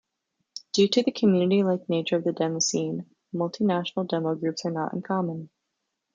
Due to the community-like nature of the demoscene, multi-national demogroups are not uncommon.